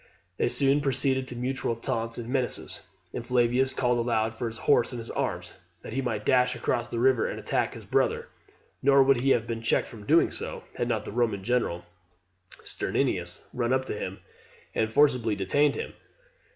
They soon proceeded to mutual taunts and menaces, and Flavius called aloud for his horse and his arms, that he might dash across the river and attack his brother; nor would he have been checked from doing so, had not the Roman general, Stertinius, run up to him, and forcibly detained him.